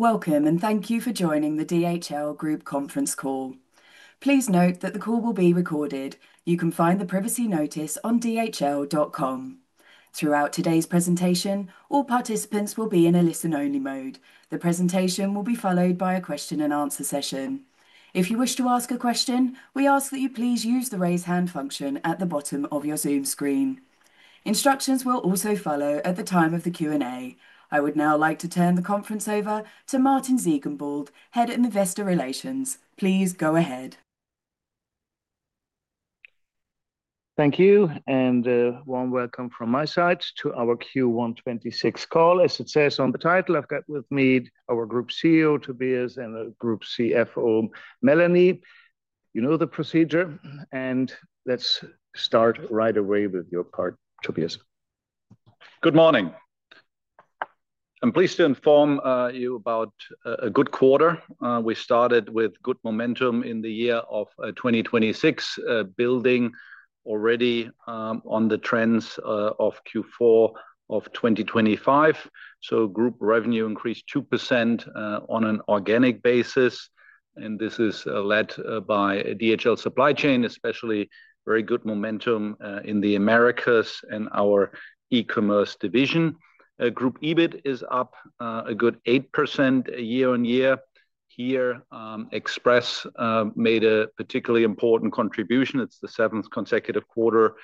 Welcome, thank you for joining the DHL Group conference call. Please note that the call will be recorded. You can find the privacy notice on dhl.com. Throughout today's presentation, all participants will be in a listen-only mode. The presentation will be followed by a question and answer session. If you wish to ask a question, we ask that you please use the raise hand function at the bottom of your Zoom screen. Instructions will also follow at the time of the Q&A. I would now like to turn the conference over to Martin Ziegenbalg, Head of Investor Relations. Please go ahead. Thank you. Warm welcome from my side to our Q1 2026 call. As it says on the title, I've got with me our Group CEO Tobias and the Group CFO Melanie. You know the procedure. Let's start right away with your part, Tobias. Good morning. I'm pleased to inform you about a good quarter. We started with good momentum in the year of 2026, building already on the trends of Q4 of 2025. Group revenue increased 2% on an organic basis, and this is led by DHL Supply Chain, especially very good momentum in the Americas and our e-commerce division. Group EBIT is up a good 8% year-on-year. Here, Express made a particularly important contribution. It's the seventh consecutive quarter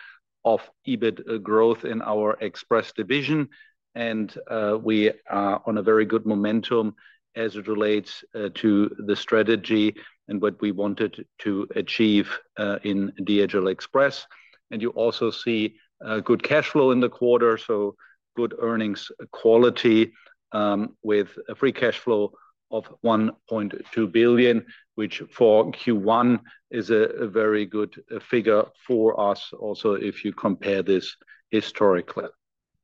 of EBIT growth in our Express division. We are on a very good momentum as it relates to the strategy and what we wanted to achieve in DHL Express. You also see good cash flow in the quarter, so good earnings quality, with free cash flow of 1.2 billion, which for Q1 is a very good figure for us also, if you compare this historically.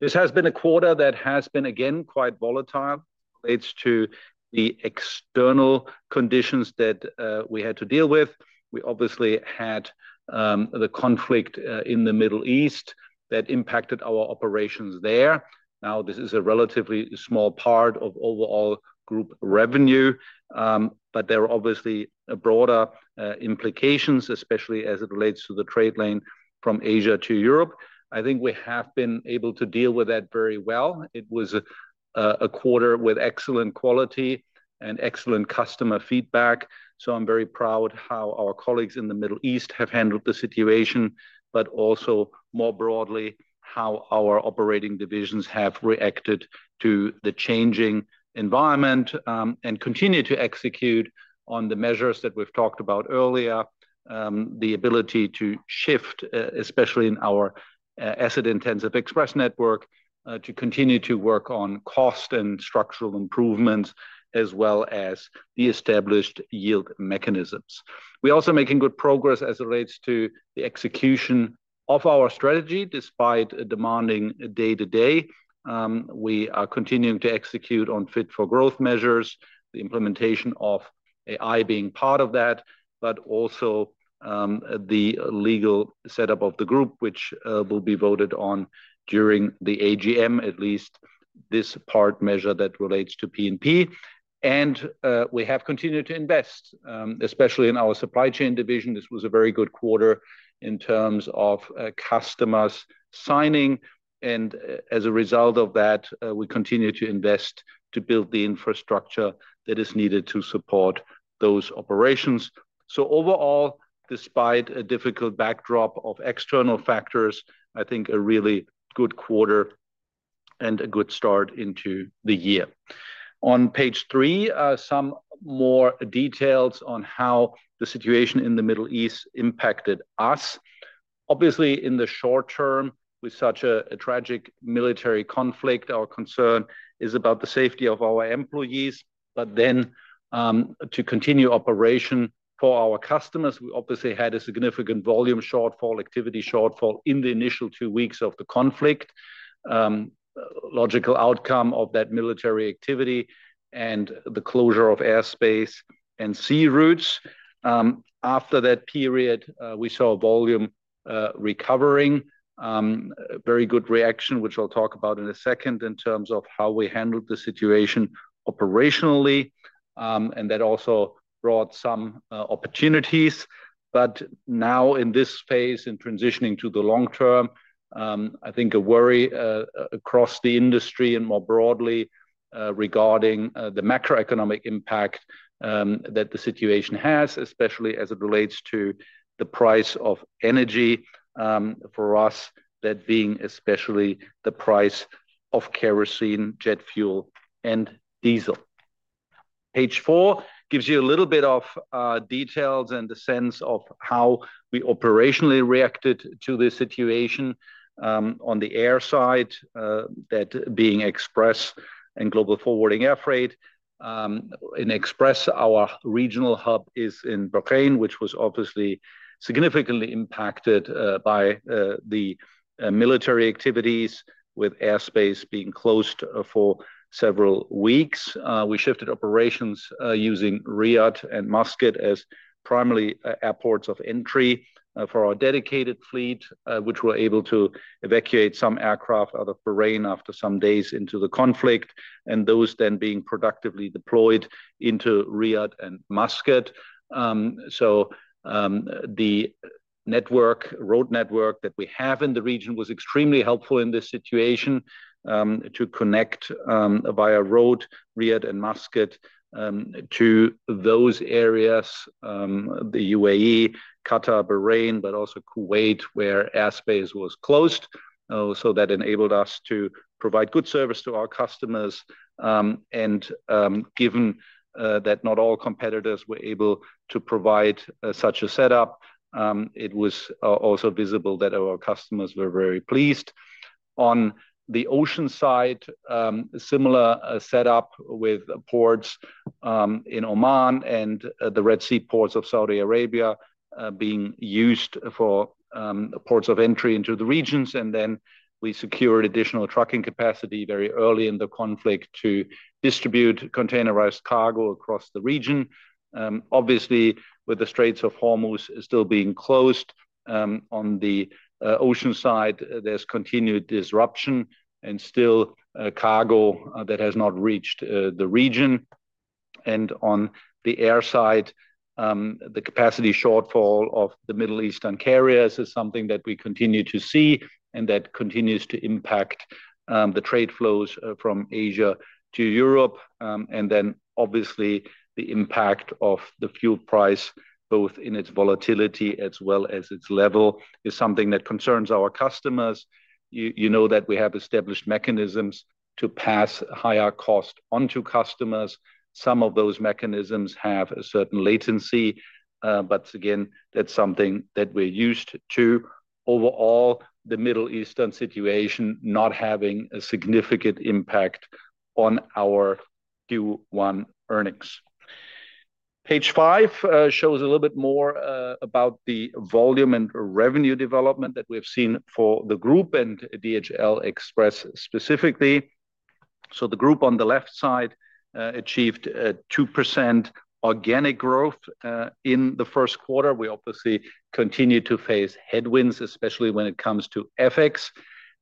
This has been a quarter that has been, again, quite volatile. Relates to the external conditions that we had to deal with. We obviously had the conflict in the Middle East that impacted our operations there. This is a relatively small part of overall group revenue, but there are obviously broader implications, especially as it relates to the trade lane from Asia to Europe. I think we have been able to deal with that very well. It was a quarter with excellent quality and excellent customer feedback. I'm very proud how our colleagues in the Middle East have handled the situation. More broadly, how our operating divisions have reacted to the changing environment and continue to execute on the measures that we've talked about earlier. The ability to shift, especially in our asset-intensive Express network, to continue to work on cost and structural improvements, as well as the established yield mechanisms. We're also making good progress as it relates to the execution of our strategy despite a demanding day to day. We are continuing to execute on Fit for Growth measures, the implementation of AI being part of that. The legal setup of the group, which will be voted on during the AGM, at least this part measure that relates to P&P. We have continued to invest, especially in our Supply Chain division. This was a very good quarter in terms of customers signing. As a result of that, we continue to invest to build the infrastructure that is needed to support those operations. Overall, despite a difficult backdrop of external factors, I think a really good quarter and a good start into the year. On page three, some more details on how the situation in the Middle East impacted us. Obviously, in the short term, with such a tragic military conflict, our concern is about the safety of our employees, but then, to continue operation for our customers. We obviously had a significant volume shortfall, activity shortfall in the initial two weeks of the conflict. Logical outcome of that military activity and the closure of airspace and sea routes. After that period, we saw volume recovering. A very good reaction, which I'll talk about in a second, in terms of how we handled the situation operationally. That also brought some opportunities. Now in this phase, in transitioning to the long term, I think a worry across the industry and more broadly regarding the macroeconomic impact that the situation has, especially as it relates to the price of energy. For us, that being especially the price of kerosene, jet fuel, and diesel. Page four gives you a little bit of details and the sense of how we operationally reacted to the situation on the air side, that being Express and Global Forwarding Air Freight. In Express, our regional hub is in Bahrain, which was obviously significantly impacted by the military activities with airspace being closed for several weeks. We shifted operations using Riyadh and Muscat as primary airports of entry for our dedicated fleet, which we're able to evacuate some aircraft out of Bahrain after some days into the conflict, and those then being productively deployed into Riyadh and Muscat. The network, road network that we have in the region was extremely helpful in this situation to connect via road Riyadh and Muscat to those areas, the U.A.E., Qatar, Bahrain, but also Kuwait where airspace was closed. That enabled us to provide good service to our customers. Given that not all competitors were able to provide such a setup, it was also visible that our customers were very pleased. On the ocean side, similar setup with ports in Oman and the Red Sea ports of Saudi Arabia being used for ports of entry into the regions. We secured additional trucking capacity very early in the conflict to distribute containerized cargo across the region. Obviously, with the Straits of Hormuz still being closed, on the ocean side, there's continued disruption and still cargo that has not reached the region. On the air side, the capacity shortfall of the Middle Eastern carriers is something that we continue to see and that continues to impact the trade flows from Asia to Europe. Obviously the impact of the fuel price both in its volatility as well as its level is something that concerns our customers. You know that we have established mechanisms to pass higher cost onto customers. Some of those mechanisms have a certain latency. Again, that's something that we're used to. Overall, the Middle Eastern situation not having a significant impact on our Q1 earnings. Page five shows a little bit more about the volume and revenue development that we have seen for the group and DHL Express specifically. The group on the left side achieved a 2% organic growth in the first quarter. We obviously continue to face headwinds, especially when it comes to FX.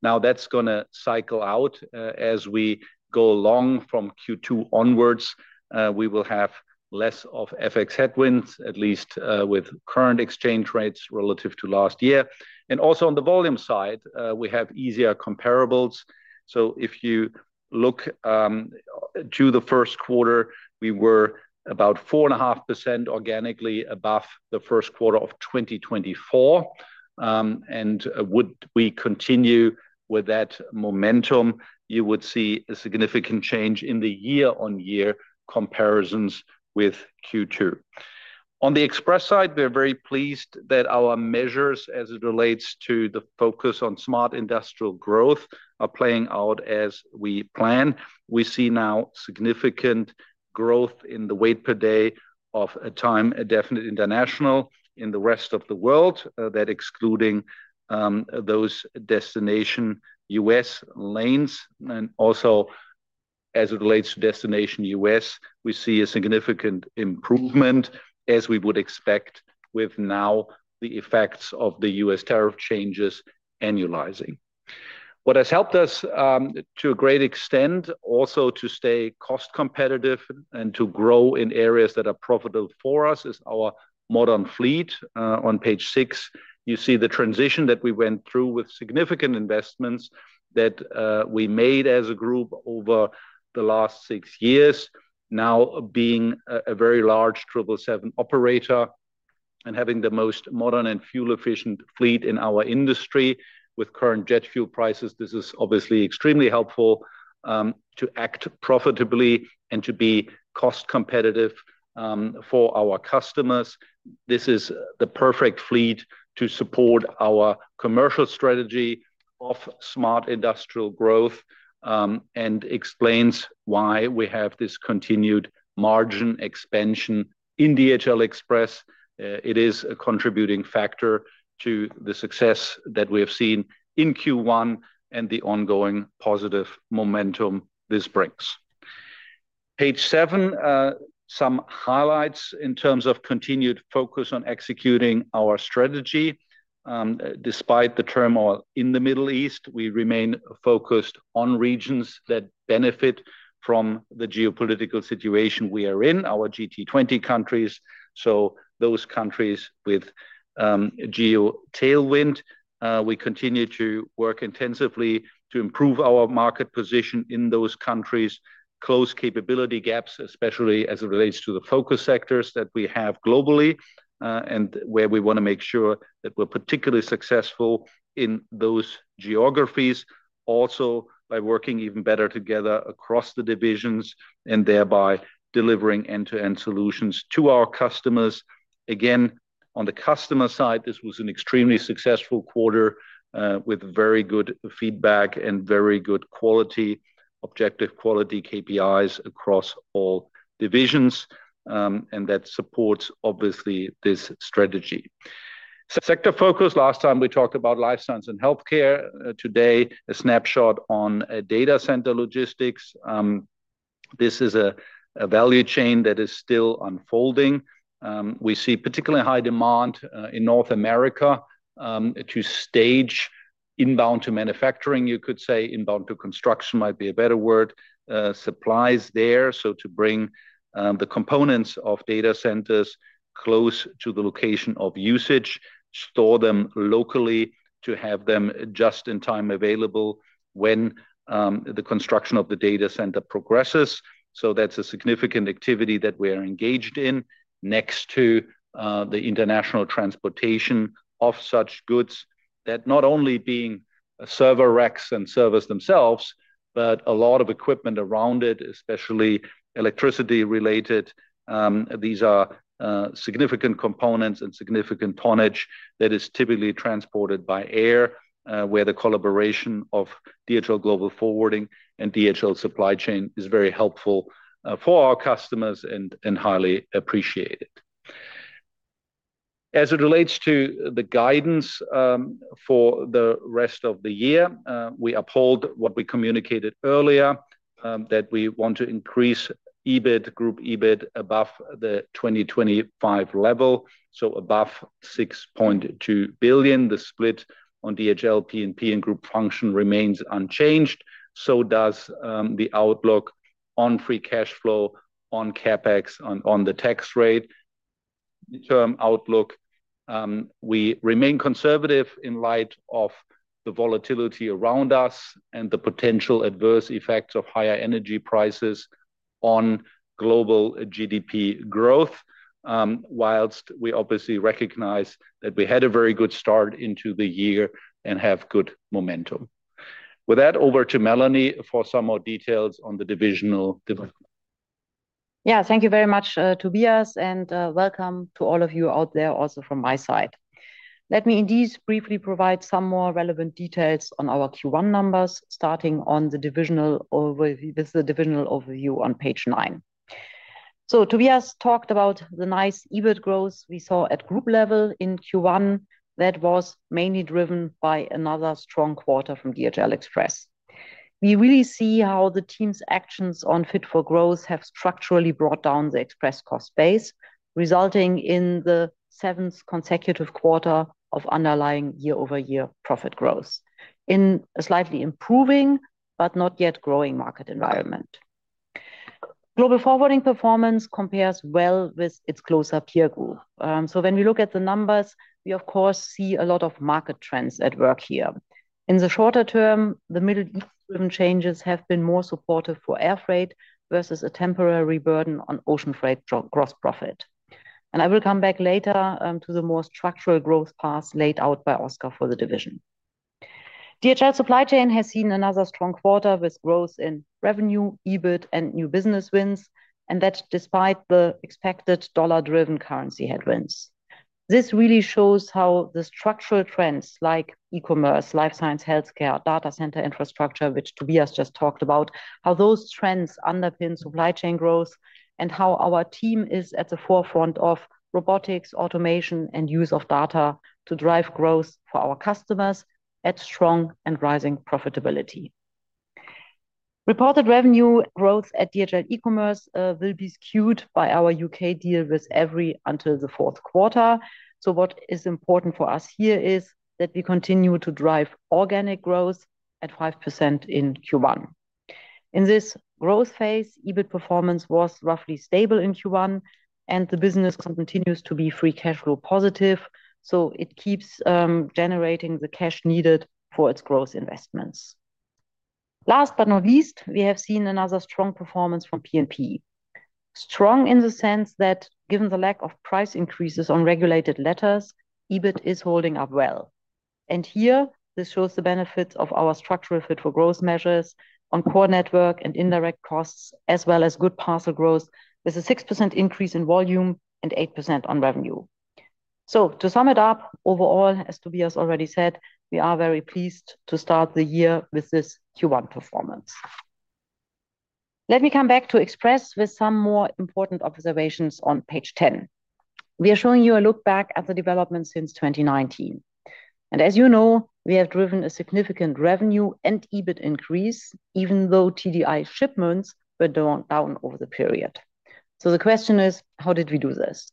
That's gonna cycle out as we go along from Q2 onwards. We will have less of FX headwinds at least, with current exchange rates relative to last year. Also on the volume side, we have easier comparables. If you look to the first quarter, we were about 4.5% organically above the first quarter of 2024. Would we continue with that momentum, you would see a significant change in the year-on-year comparisons with Q2. On the Express side, we're very pleased that our measures as it relates to the focus on smart industrial growth are playing out as we plan. We see now significant growth in the weight per day of a time-definite international in the rest of the world, that excluding those destination U.S. lanes. Also, as it relates to destination U.S., we see a significant improvement as we would expect with now the effects of the U.S. tariff changes annualizing. What has helped us to a great extent also to stay cost competitive and to grow in areas that are profitable for us is our modern fleet. On page six, you see the transition that we went through with significant investments that we made as a group over the last six years, now being a very large 777 operator and having the most modern and fuel-efficient fleet in our industry. With current jet fuel prices, this is obviously extremely helpful to act profitably and to be cost competitive for our customers. This is the perfect fleet to support our commercial strategy of smart industrial growth, and explains why we have this continued margin expansion in DHL Express. It is a contributing factor to the success that we have seen in Q1 and the ongoing positive momentum this brings. Page seven, some highlights in terms of continued focus on executing our strategy. Despite the turmoil in the Middle East, we remain focused on regions that benefit from the geopolitical situation we are in, our GT20 countries. Those countries with geo tailwind, we continue to work intensively to improve our market position in those countries. Close capability gaps, especially as it relates to the focus sectors that we have globally, and where we want to make sure that we're particularly successful in those geographies. Also by working even better together across the divisions and thereby delivering end-to-end solutions to our customers. On the customer side, this was an extremely successful quarter, with very good feedback and very good quality, objective quality KPIs across all divisions. That supports obviously this strategy. Sector focus, last time we talked about life science and healthcare. Today, a snapshot on data center logistics. This is a value chain that is still unfolding. We see particularly high demand in North America, to stage inbound to manufacturing, you could say, inbound to construction might be a better word, supplies there. To bring the components of data centers close to the location of usage, store them locally to have them just in time available when the construction of the data center progresses. That's a significant activity that we are engaged in next to the international transportation of such goods that not only being server racks and servers themselves, but a lot of equipment around it, especially electricity related. These are significant components and significant tonnage that is typically transported by air, where the collaboration of DHL Global Forwarding and DHL Supply Chain is very helpful for our customers and highly appreciated. As it relates to the guidance for the rest of the year, we uphold what we communicated earlier, that we want to increase EBIT, group EBIT above the 2025 level, so above 6.2 billion. The split on DHL, P&P and group function remains unchanged. Does the outlook on free cash flow on CapEx on the tax rate. Term outlook, we remain conservative in light of the volatility around us and the potential adverse effects of higher energy prices on global GDP growth, while we obviously recognize that we had a very good start into the year and have good momentum. With that, over to Melanie for some more details on the divisional development. Yeah. Thank you very much, Tobias, and welcome to all of you out there also from my side. Let me indeed briefly provide some more relevant details on our Q1 numbers, starting with the divisional overview on page nine. Tobias talked about the nice EBIT growth we saw at Group level in Q1 that was mainly driven by another strong quarter from DHL Express. We really see how the team's actions on Fit for Growth have structurally brought down the express cost base, resulting in the seventh consecutive quarter of underlying year-over-year profit growth in a slightly improving but not yet growing market environment. Global Forwarding performance compares well with its closer peer group. When we look at the numbers, we of course see a lot of market trends at work here. In the shorter term, the Middle East driven changes have been more supportive for air freight versus a temporary burden on ocean freight gross profit. I will come back later to the more structural growth paths laid out by Oscar for the division. DHL Supply Chain has seen another strong quarter with growth in revenue, EBIT and new business wins, and that's despite the expected dollar-driven currency headwinds. This really shows how the structural trends like e-commerce, life science, healthcare, data center infrastructure, which Tobias just talked about, how those trends underpin supply chain growth and how our team is at the forefront of robotics, automation and use of data to drive growth for our customers at strong and rising profitability. Reported revenue growth at DHL eCommerce will be skewed by our U.K. deal with Evri until the fourth quarter. What is important for us here is that we continue to drive organic growth at 5% in Q1. In this growth phase, EBIT performance was roughly stable in Q1 and the business continues to be free cash flow positive, so it keeps generating the cash needed for its growth investments. Last but not least, we have seen another strong performance from P&P. Strong in the sense that given the lack of price increases on regulated letters, EBIT is holding up well. Here this shows the benefits of our structural Fit for Growth measures on core network and indirect costs, as well as good parcel growth with a 6% increase in volume and 8% on revenue. To sum it up, overall, as Tobias already said, we are very pleased to start the year with this Q1 performance. Let me come back to Express with some more important observations on page 10. We are showing you a look back at the development since 2019. As you know, we have driven a significant revenue and EBIT increase even though TDI shipments were down over the period. The question is: how did we do this?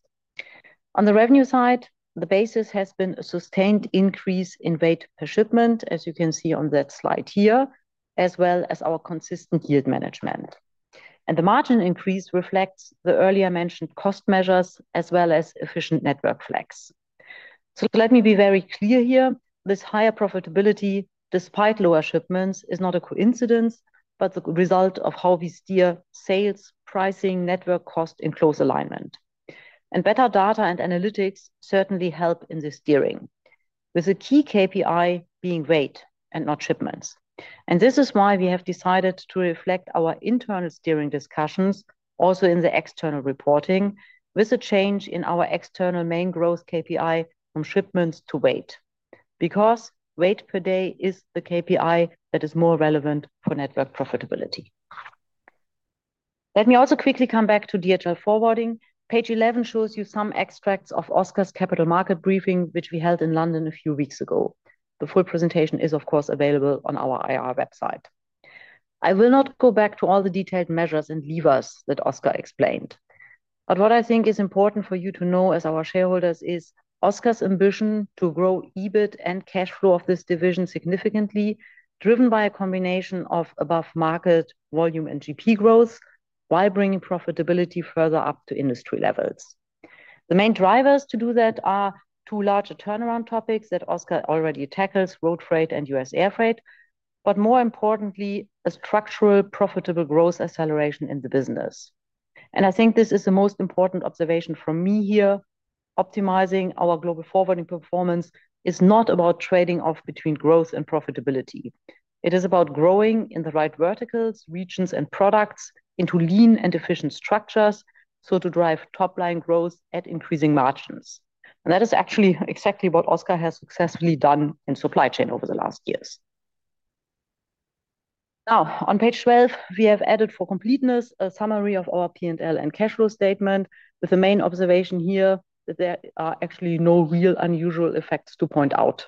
On the revenue side, the basis has been a sustained increase in weight per shipment, as you can see on that slide here, as well as our consistent yield management. The margin increase reflects the earlier mentioned cost measures as well as efficient network flex. Let me be very clear here. This higher profitability, despite lower shipments, is not a coincidence, but the result of how we steer sales, pricing, network cost in close alignment. Better data and analytics certainly help in the steering. With a key KPI being weight and not shipments. This is why we have decided to reflect our internal steering discussions also in the external reporting with a change in our external main growth KPI from shipments to weight. Weight per day is the KPI that is more relevant for network profitability. Let me also quickly come back to DHL Forwarding. Page 11 shows you some extracts of Oscar's capital market briefing, which we held in London a few weeks ago. The full presentation is of course available on our IR website. I will not go back to all the detailed measures and levers that Oscar explained. What I think is important for you to know as our shareholders is Oscar’s ambition to grow EBIT and cash flow of this division significantly, driven by a combination of above market volume and GP growth while bringing profitability further up to industry levels. The main drivers to do that are two larger turnaround topics that Oscar already tackles, road freight and U.S. air freight. More importantly, a structural profitable growth acceleration in the business. I think this is the most important observation for me here, optimizing our Global Forwarding performance is not about trading off between growth and profitability. It is about growing in the right verticals, regions, and products into lean and efficient structures so to drive top line growth at increasing margins. That is actually exactly what Oscar has successfully done in Supply Chain over the last years. Now, on page 12, we have added for completeness a summary of our P&L and cash flow statement with the main observation here that there are actually no real unusual effects to point out.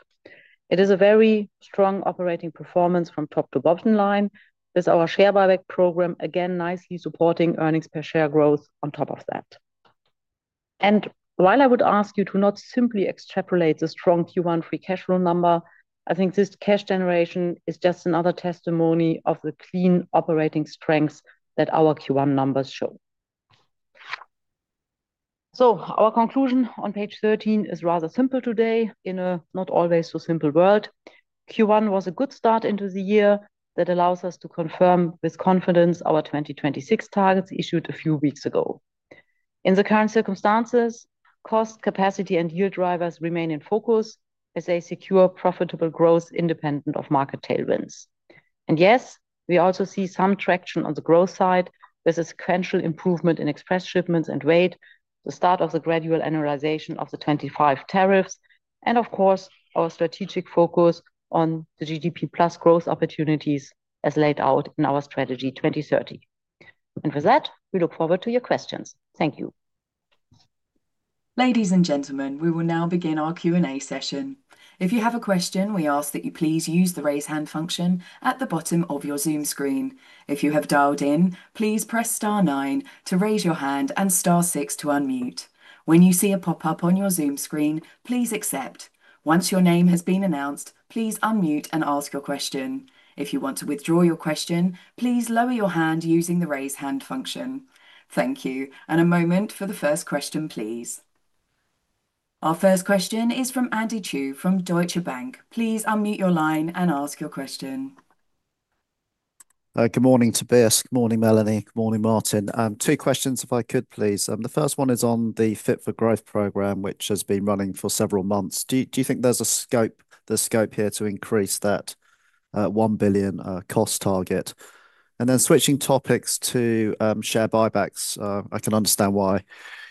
It is a very strong operating performance from top to bottom line, with our share buyback program again nicely supporting earnings per share growth on top of that. While I would ask you to not simply extrapolate the strong Q1 free cash flow number, I think this cash generation is just another testimony of the clean operating strengths that our Q1 numbers show. Our conclusion on page 13 is rather simple today in a not always so simple world. Q1 was a good start into the year that allows us to confirm with confidence our 2026 targets issued a few weeks ago. In the current circumstances, cost, capacity and yield drivers remain in focus as they secure profitable growth independent of market tailwinds. Yes, we also see some traction on the growth side with a sequential improvement in express shipments and weight, the start of the gradual annualization of the 2025 tariffs and of course our strategic focus on the GDP plus growth opportunities as laid out in our Strategy 2030. With that, we look forward to your questions. Thank you. Ladies and gentlemen, we will now begin our Q&A session. If you have a question, we ask that you please use the raise hand function at the bottom of your Zoom screen. If you have dialed in, please press star 9 to raise your hand and star six to unmute. When you see a pop-up on your Zoom screen, please accept. Once your name has been announced, please unmute and ask your question. If you want to withdraw your question, please lower your hand using the raise hand function. Thank you. A moment for the first question, please. Our first question is from Andy Chu from Deutsche Bank. Please unmute your line and ask your question. Good morning, Tobias. Good morning, Melanie. Good morning, Martin. Two questions if I could, please. The first one is on the Fit for Growth program, which has been running for several months. Do you think there's scope here to increase that 1 billion cost target? Then switching topics to share buybacks. I can understand why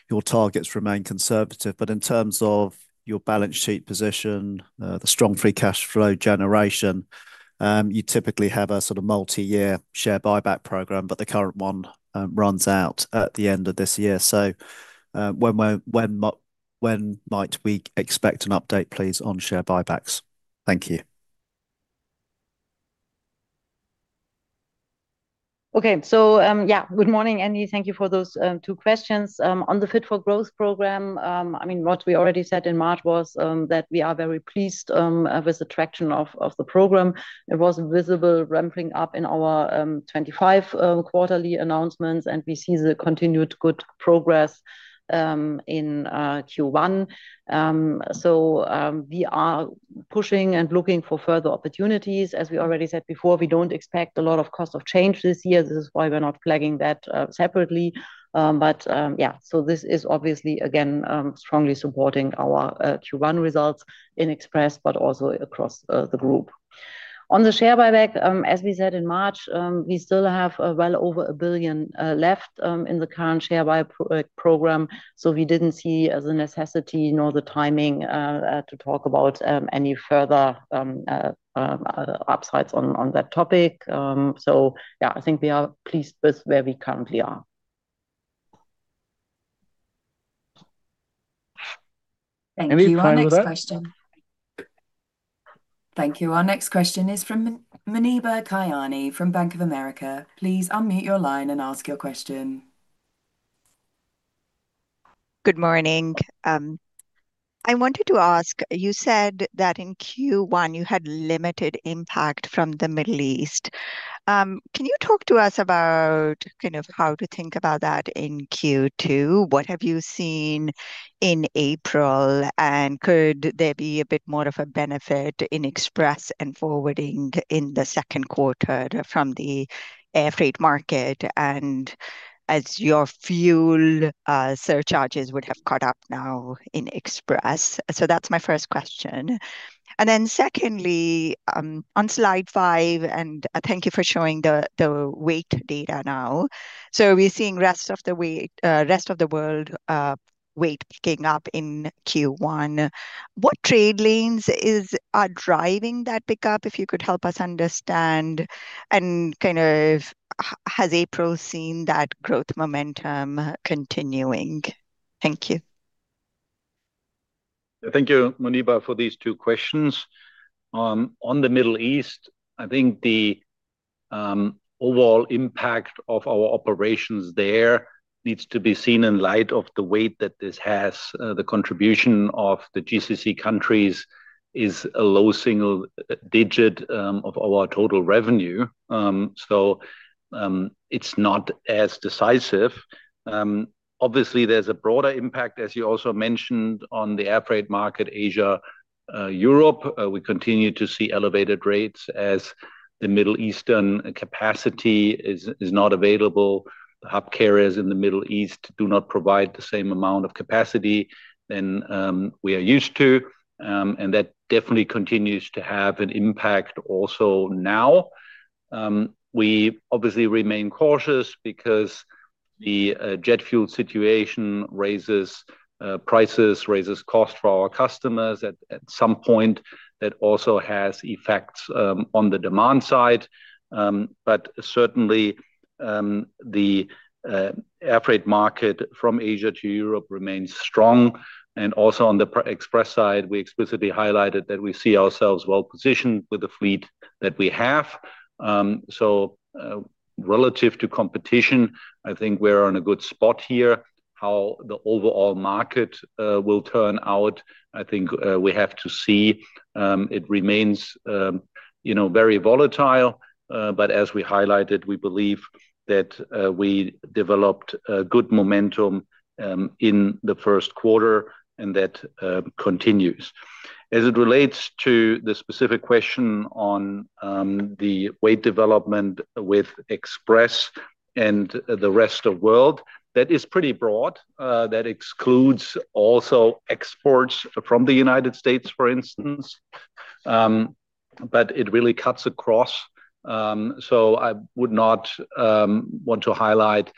your targets remain conservative, but in terms of your balance sheet position, the strong free cash flow generation, you typically have a sort of multi-year share buyback program, but the current one runs out at the end of this year. When might we expect an update, please, on share buybacks? Thank you. Good morning, Andy. Thank you for those two questions. On the Fit for Growth program, I mean, what we already said in March was that we are very pleased with the traction of the program. It was visible ramping up in our 2025 quarterly announcements, and we see the continued good progress in Q1. We are pushing and looking for further opportunities. As we already said before, we don't expect a lot of cost of change this year. This is why we're not flagging that separately. This is obviously, again, strongly supporting our Q1 results in Express, but also across the group. On the share buyback, as we said in March, we still have well over 1 billion left in the current share buy program. We didn't see as a necessity nor the timing to talk about any further upsides on that topic. Yeah, I think we are pleased with where we currently are. Thank you. Any plan on that? Our next question. Thank you. Our next question is from Muneeba Kayani from Bank of America. Please unmute your line and ask your question. Good morning, I wanted to ask, you said that in Q1 you had limited impact from the Middle East. Can you talk to us about kind of how to think about that in Q2? What have you seen in April, and could there be a bit more of a benefit in Express and Forwarding in the second quarter from the air freight market and as your fuel surcharges would have caught up now in Express? That's my first question. Secondly, on slide five, thank you for showing the weight data now. We're seeing rest of the world weight picking up in Q1. What trade lanes are driving that pickup, if you could help us understand, and kind of has April seen that growth momentum continuing? Thank you. Thank you, Muneeba, for these two questions. On the Middle East, I think the overall impact of our operations there needs to be seen in light of the weight that this has. The contribution of the GCC countries is a low single digit of our total revenue. It's not as decisive. Obviously there's a broader impact, as you also mentioned, on the air freight market, Asia, Europe. We continue to see elevated rates as the Middle Eastern capacity is not available. The hub carriers in the Middle East do not provide the same amount of capacity than we are used to. That definitely continues to have an impact also now. We obviously remain cautious because the jet fuel situation raises prices, raises cost for our customers at some point that also has effects on the demand side. Certainly, the air freight market from Asia to Europe remains strong. Also on the express side, we explicitly highlighted that we see ourselves well-positioned with the fleet that we have. Relative to competition, I think we're in a good spot here. How the overall market will turn out, I think, we have to see. It remains, you know, very volatile. As we highlighted, we believe that we developed a good momentum in the first quarter, and that continues. As it relates to the specific question on the weight development with Express and the rest of world, that is pretty broad. That excludes also exports from the United States, for instance. It really cuts across. I would not want to highlight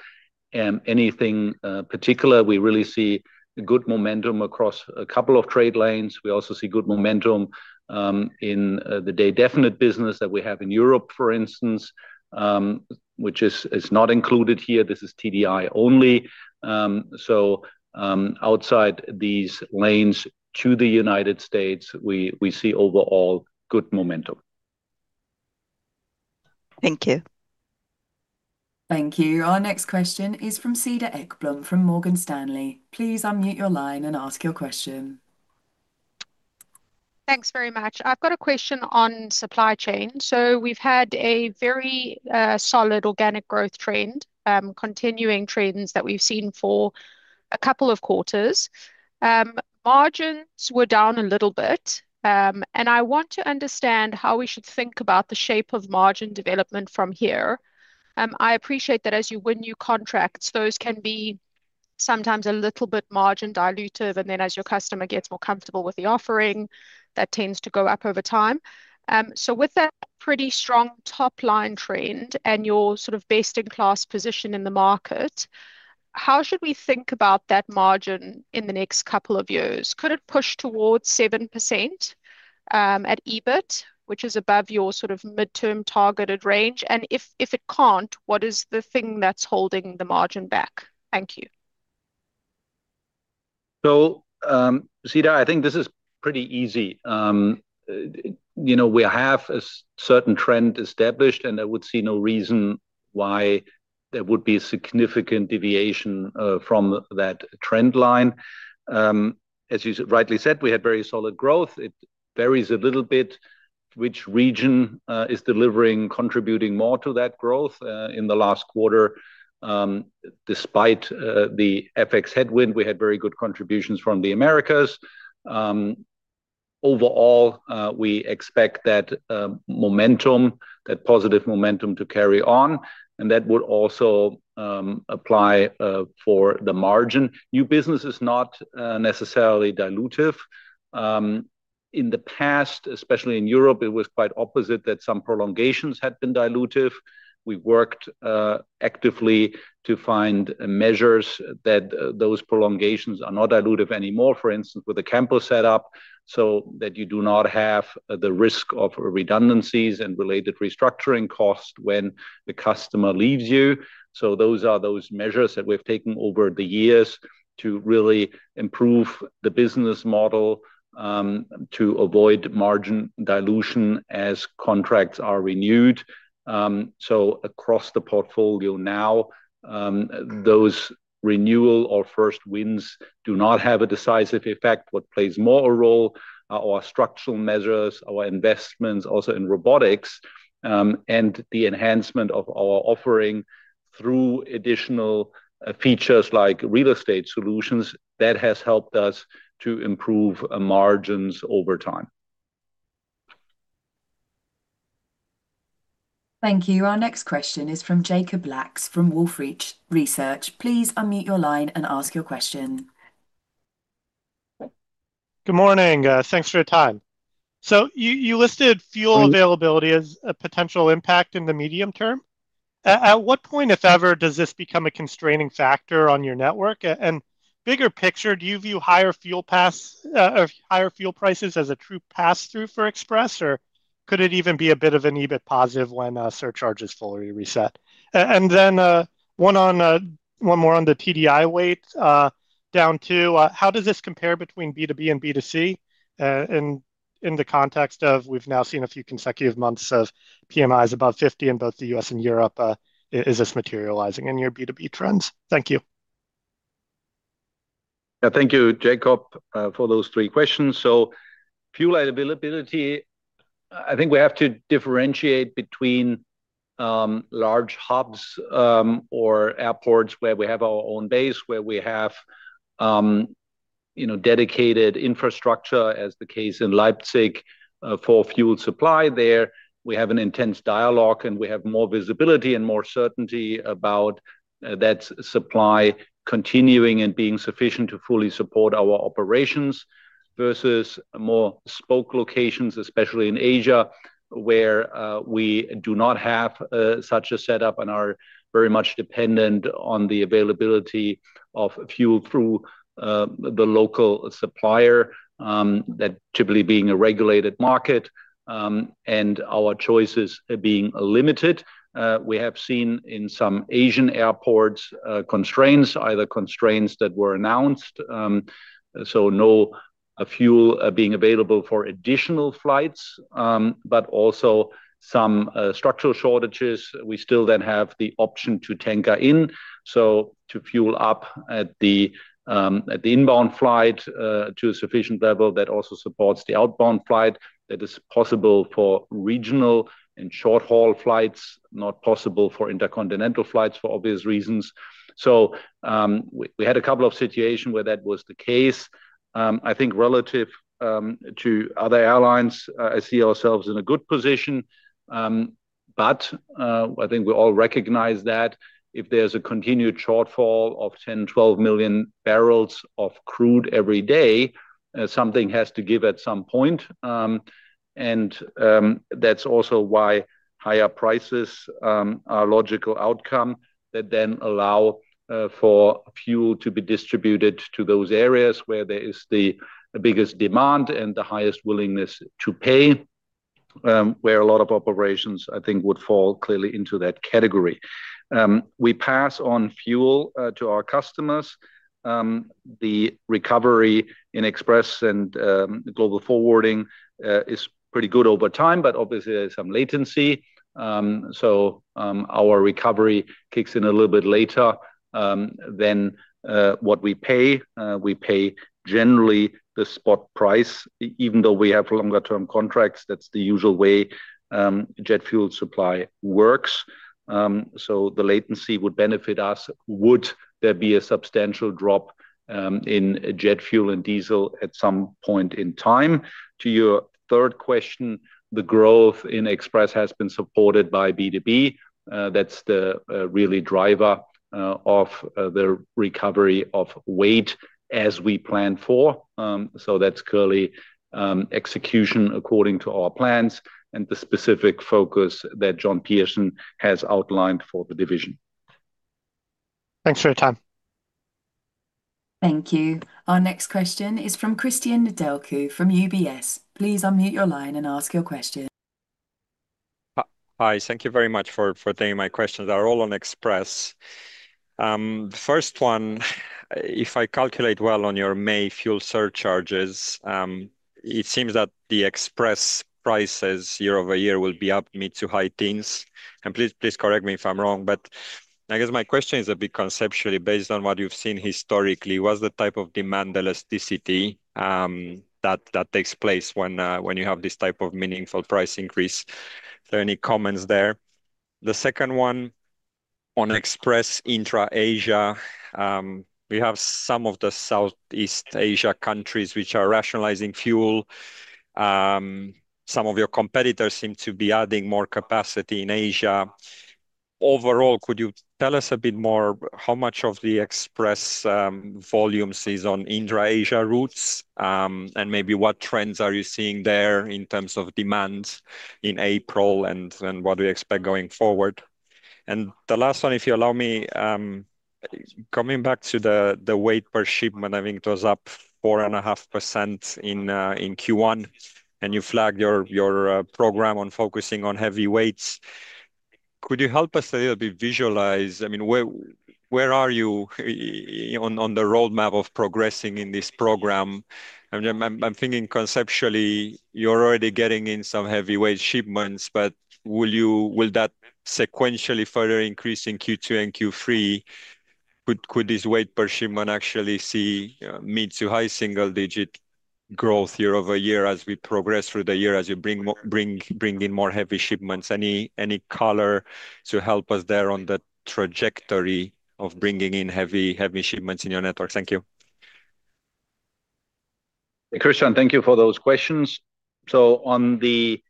anything particular. We really see good momentum across a couple of trade lanes. We also see good momentum in the day definite business that we have in Europe, for instance, which is not included here. This is TDI only. Outside these lanes to the United States, we see overall good momentum. Thank you. Thank you. Our next question is from Cedar Ekblom from Morgan Stanley. Please unmute your line and ask your question. Thanks very much. I've got a question on supply chain. We've had a very solid organic growth trend, continuing trends that we've seen for a couple of quarters. Margins were down a little bit, and I want to understand how we should think about the shape of margin development from here. I appreciate that as you win new contracts, those can be sometimes a little bit margin dilutive, and then as your customer gets more comfortable with the offering, that tends to go up over time. With that pretty strong top-line trend and your sort of best-in-class position in the market, how should we think about that margin in the next couple of years? Could it push towards 7%, at EBIT, which is above your sort of midterm targeted range? If it can't, what is the thing that's holding the margin back? Thank you. Cedar, I think this is pretty easy. You know, we have a certain trend established, and I would see no reason why there would be a significant deviation from that trend line. As you rightly said, we had very solid growth. It varies a little bit which region is delivering, contributing more to that growth. In the last quarter, despite the FX headwind, we had very good contributions from the Americas. Overall, we expect that momentum, that positive momentum to carry on, and that would also apply for the margin. New business is not necessarily dilutive. In the past, especially in Europe, it was quite opposite that some prolongations had been dilutive. We worked actively to find measures that those prolongations are not dilutive anymore. For instance, with the campus set up, so that you do not have the risk of redundancies and related restructuring costs when the customer leaves you. Those are those measures that we've taken over the years to really improve the business model to avoid margin dilution as contracts are renewed. Across the portfolio now, those renewal or first wins do not have a decisive effect. What plays more a role are our structural measures, our investments also in robotics, and the enhancement of our offering through additional features like real estate solutions. That has helped us to improve margins over time. Thank you. Our next question is from Jacob Lacks from Wolfe Research. Please unmute your line and ask your question. Good morning. Thanks for your time. You listed fuel- Mm-hmm. availability as a potential impact in the medium term. At what point, if ever, does this become a constraining factor on your network? Bigger picture, do you view higher fuel pass, or higher fuel prices as a true pass-through for Express, or could it even be a bit of an EBIT positive when surcharges fully reset? Then, one on, one more on the TDI weight, down to, how does this compare between B2B and B2C, in the context of we've now seen a few consecutive months of PMIs above 50 in both the U.S. and Europe? Is this materializing in your B2B trends? Thank you. Thank you, Jacob, for those three questions. Fuel availability, I think we have to differentiate between large hubs or airports where we have our own base, where we have, you know, dedicated infrastructure, as the case in Leipzig, for fuel supply there. We have an intense dialogue, and we have more visibility and more certainty about that supply continuing and being sufficient to fully support our operations versus more spoke locations, especially in Asia, where we do not have such a setup and are very much dependent on the availability of fuel through the local supplier, that typically being a regulated market, and our choices being limited. We have seen in some Asian airports, constraints, either constraints that were announced, so no fuel, being available for additional flights, but also some structural shortages. We still then have the option to tanker in, so to fuel up at the, at the inbound flight, to a sufficient level that also supports the outbound flight. That is possible for regional and short-haul flights, not possible for intercontinental flights for obvious reasons. We had a couple of situation where that was the case. I think relative to other airlines, I see ourselves in a good position. I think we all recognize that if there's a continued shortfall of 10, 12 million barrels of crude every day, something has to give at some point. That's also why higher prices are a logical outcome that then allow for fuel to be distributed to those areas where there is the biggest demand and the highest willingness to pay, where a lot of operations would fall clearly into that category. We pass on fuel to our customers. The recovery in Express and Global Forwarding is pretty good over time, but obviously there's some latency. Our recovery kicks in a little bit later than what we pay. We pay generally the spot price. Even though we have longer term contracts, that's the usual way jet fuel supply works. The latency would benefit us would there be a substantial drop in jet fuel and diesel at some point in time. To your third question, the growth in Express has been supported by B2B. That's the really driver of the recovery of weight as we plan for. That's currently execution according to our plans and the specific focus that John Pearson has outlined for the Division. Thanks for your time. Thank you. Our next question is from Cristian Nedelcu from UBS. Please unmute your line and ask your question. Hi. Thank you very much for taking my questions. They're all on Express. The first one, if I calculate well on your May fuel surcharges, it seems that the Express prices year-over-year will be up mid to high teens. Please correct me if I'm wrong, but I guess my question is a bit conceptually based on what you've seen historically. What's the type of demand elasticity that takes place when you have this type of meaningful price increase? Is there any comments there? The second one on Express intra-Asia, we have some of the Southeast Asia countries which are rationalizing fuel. Some of your competitors seem to be adding more capacity in Asia. Overall, could you tell us a bit more how much of the Express volumes is on intra-Asia routes, and maybe what trends are you seeing there in terms of demand in April and what do you expect going forward? The last one, if you allow me, coming back to the weight per shipment, I think it was up 4.5% in Q1, and you flagged your program on focusing on heavy weights. Could you help us a little bit visualize, I mean, where are you on the roadmap of progressing in this program? I'm thinking conceptually you're already getting in some heavyweight shipments, will that sequentially further increase in Q2 and Q3? Could this weight per shipment actually see mid to high single digit growth year-over-year as we progress through the year, as you bring in more heavy shipments? Any color to help us there on the trajectory of bringing in heavy shipments in your network? Thank you. Cristian, thank you for those questions. On the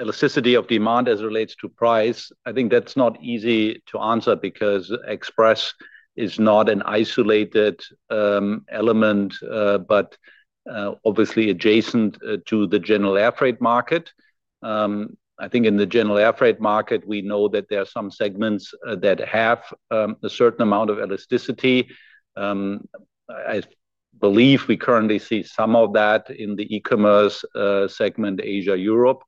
elasticity of demand as it relates to price, I think that's not easy to answer because Express is not an isolated element, but obviously adjacent to the general air freight market. I think in the general air freight market, we know that there are some segments that have a certain amount of elasticity. I believe we currently see some of that in the e-commerce segment Asia, Europe.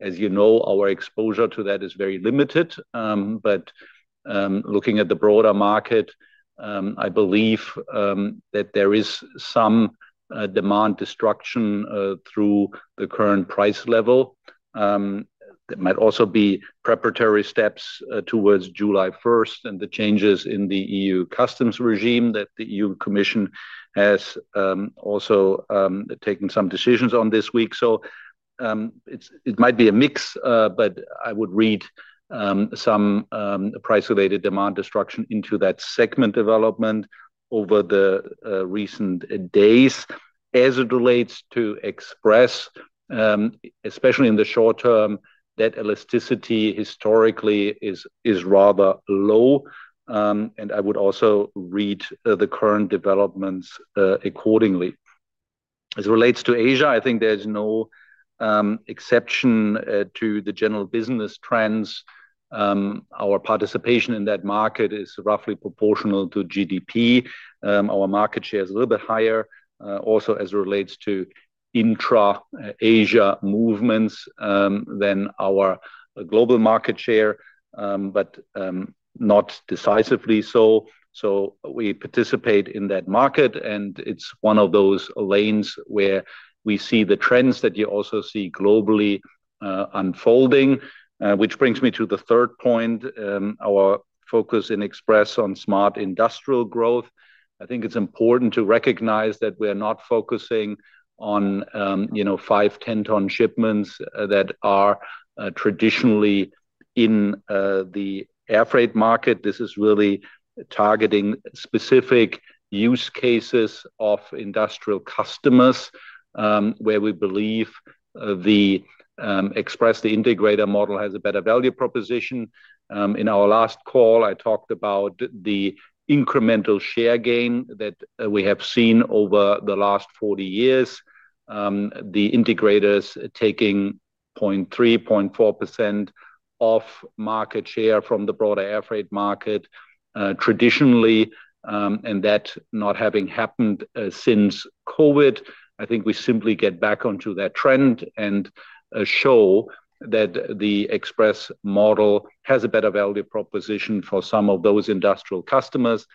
As you know, our exposure to that is very limited. Looking at the broader market, I believe that there is some demand destruction through the current price level. That might also be preparatory steps towards July 1st and the changes in the EU customs regime that the European Commission has also taken some decisions on this week. It might be a mix, but I would read some price-related demand destruction into that segment development over the recent days. As it relates to Express, especially in the short term, that elasticity historically is rather low. I would also read the current developments accordingly. As it relates to Asia, I think there's no exception to the general business trends. Our participation in that market is roughly proportional to GDP. Our market share is a little bit higher also as it relates to intra Asia movements than our global market share, not decisively so. We participate in that market, and it's one of those lanes where we see the trends that you also see globally unfolding. Which brings me to the third point, our focus in Express on smart industrial growth. I think it's important to recognize that we're not focusing on, you know, five, 10-ton shipments that are traditionally in the air freight market. This is really targeting specific use cases of industrial customers, where we believe the Express, the integrator model has a better value proposition. In our last call, I talked about the incremental share gain that we have seen over the last 40 years. The integrators taking 0.3%, 0.4% of market share from the broader air freight market traditionally, and that not having happened since COVID. I think we simply get back onto that trend and show that the Express model has a better value proposition for some of those industrial customers.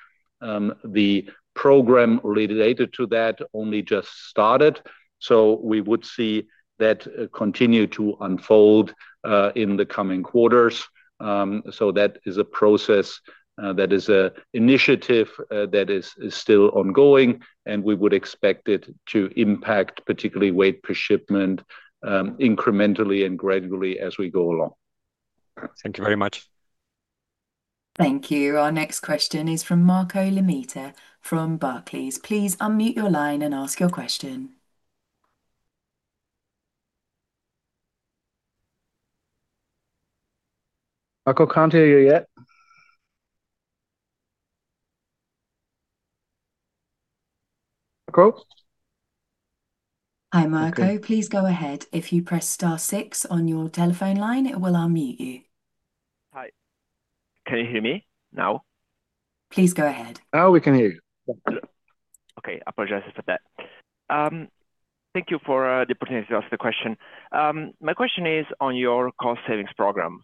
The program related to that only just started, so we would see that continue to unfold in the coming quarters. That is a process, that is a initiative, that is still ongoing, and we would expect it to impact particularly weight per shipment, incrementally and gradually as we go along. Thank you very much. Thank you. Our next question is from Marco Limite from Barclays. Please unmute your line and ask your question. Marco, can't hear you yet. Marco? Hi, Marco. Please go ahead. If you press star six on your telephone line, it will unmute you. Hi. Can you hear me now? Please go ahead. Now we can hear you. Okay. Apologies for that. Thank you for the opportunity to ask the question. My question is on your cost savings program.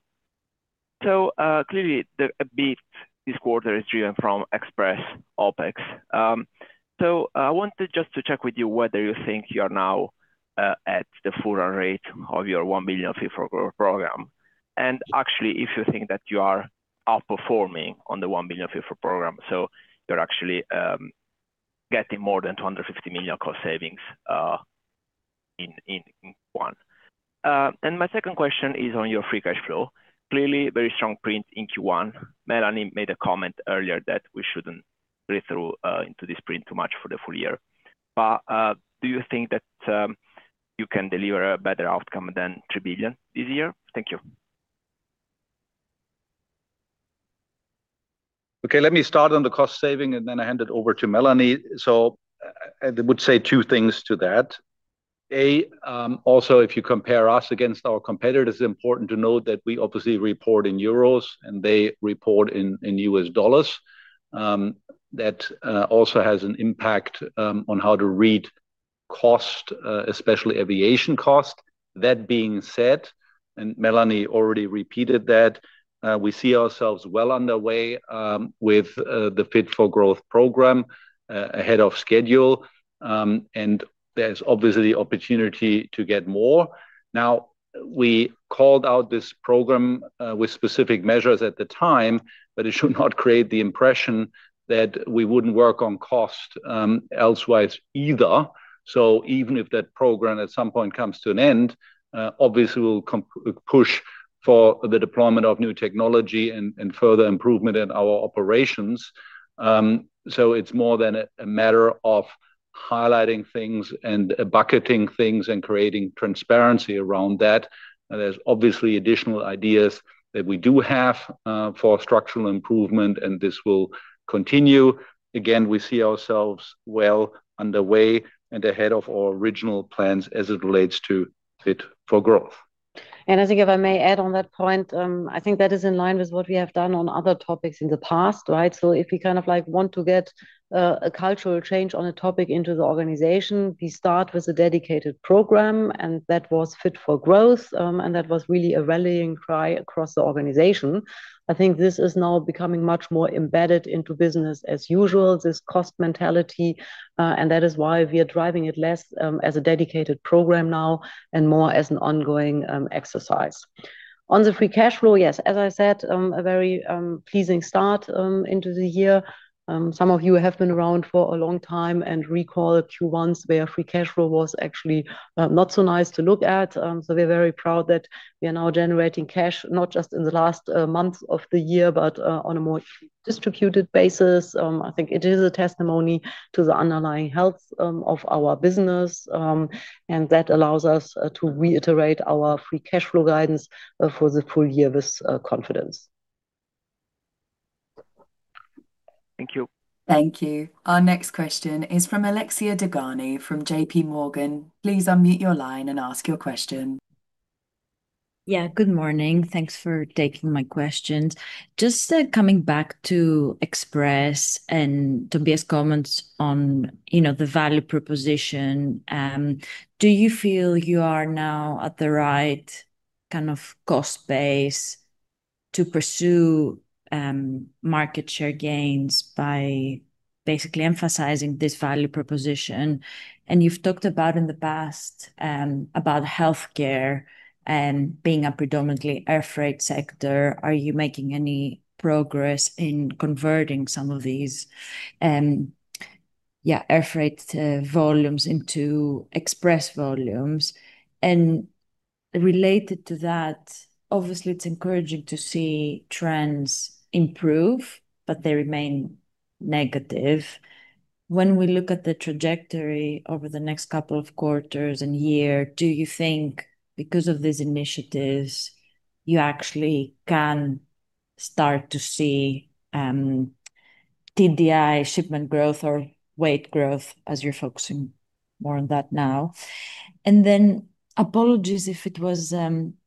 Clearly, the EBIT this quarter is driven from Express OpEx. I wanted just to check with you whether you think you are now at the full run rate of your 1 billion Fit for Growth program. If you think that you are outperforming on the 1 billion Fit for Growth program, you're actually getting more than 250 million cost savings in Q1. My second question is on your free cash flow. Very strong print in Q1. Melanie made a comment earlier that we shouldn't read through into this print too much for the full year. Do you think that you can deliver a better outcome than 3 billion this year? Thank you. Okay. Let me start on the cost saving, and then I hand it over to Melanie. I would say two things to that. A, also, if you compare us against our competitors, it's important to note that we obviously report in euros, and they report in US dollars. That also has an impact on how to read cost, especially aviation cost. That being said, and Melanie already repeated that, we see ourselves well on the way with the Fit for Growth program ahead of schedule. There's obviously opportunity to get more. We called out this program with specific measures at the time, but it should not create the impression that we wouldn't work on cost elsewise either. Even if that program at some point comes to an end, obviously we'll push for the deployment of new technology and further improvement in our operations. It's more than a matter of highlighting things and bucketing things and creating transparency around that. There's obviously additional ideas that we do have for structural improvement, and this will continue. Again, we see ourselves well underway and ahead of our original plans as it relates to Fit for Growth. I think if I may add on that point, I think that is in line with what we have done on other topics in the past, right? If you kind of like want to get a cultural change on a topic into the organization, we start with a dedicated program, and that was Fit for Growth, and that was really a rallying cry across the organization. I think this is now becoming much more embedded into business as usual, this cost mentality, and that is why we are driving it less as a dedicated program now and more as an ongoing exercise. On the free cashflow, yes, as I said, a very pleasing start into the year. Some of you have been around for a long time and recall Q1s where free cash flow was actually not so nice to look at. We're very proud that we are now generating cash, not just in the last month of the year but on a more distributed basis. I think it is a testimony to the underlying health of our business, and that allows us to reiterate our free cash flow guidance for the full year with confidence. Thank you. Thank you. Our next question is from Alexia Dogani from JPMorgan. Please unmute your line and ask your question. Yeah, good morning. Thanks for taking my questions. Just coming back to DHL Express and Tobias' comments on, you know, the value proposition, do you feel you are now at the right kind of cost base to pursue market share gains by basically emphasizing this value proposition? You've talked about in the past about healthcare and being a predominantly air freight sector. Are you making any progress in converting some of these air freight volumes into Express volumes? Related to that, obviously it's encouraging to see trends improve, but they remain negative. When we look at the trajectory over the next couple of quarters and year, do you think because of these initiatives you actually can start to see TDI shipment growth or weight growth as you're focusing more on that now? Apologies if it was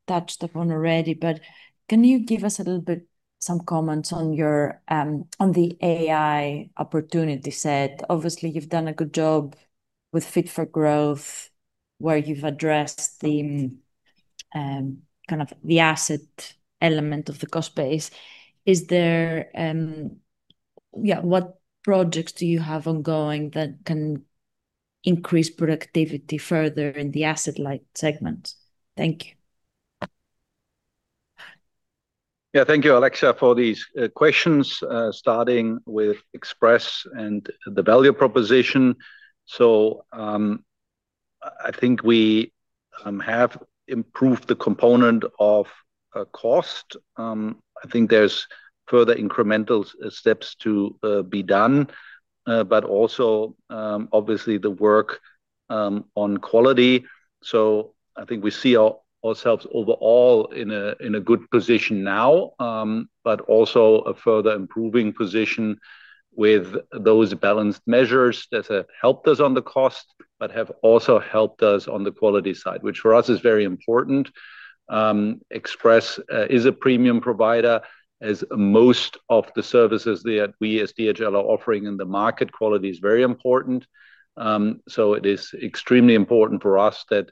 touched upon already, but can you give us a little bit, some comments on your AI opportunity set? Obviously, you've done a good job with Fit for Growth where you've addressed the kind of the asset element of the cost base. Yeah, what projects do you have ongoing that can increase productivity further in the asset light segment? Thank you. Yeah. Thank you, Alexia, for these questions. Starting with Express and the value proposition. I think we have improved the component of cost. I think there's further incremental steps to be done. Also, obviously the work on quality. I think we see ourselves overall in a good position now, but also a further improving position with those balanced measures that have helped us on the cost, but have also helped us on the quality side, which for us is very important. Express is a premium provider, as most of the services that we as DHL are offering in the market, quality is very important. It is extremely important for us that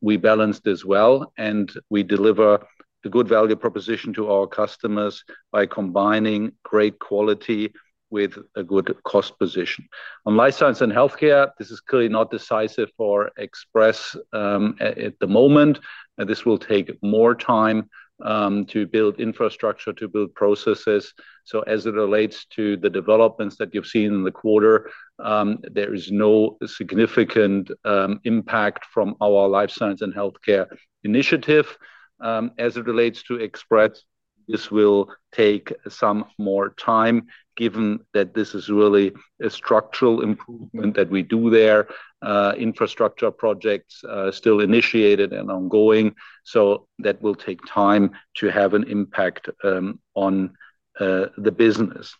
we balanced as well and we deliver a good value proposition to our customers by combining great quality with a good cost position. On life science and healthcare, this is clearly not decisive for Express at the moment. This will take more time to build infrastructure, to build processes. As it relates to the developments that you've seen in the quarter, there is no significant impact from our life science and healthcare initiative. As it relates to Express, this will take some more time given that this is really a structural improvement that we do there. Infrastructure projects are still initiated and ongoing, that will take time to have an impact on the business.